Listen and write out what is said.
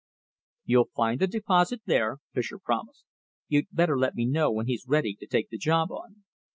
"You'll find the deposit there," Fischer promised. "You'd better let me know when he's ready to take the job on."